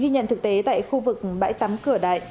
ghi nhận thực tế tại khu vực bãi tắm cửa đại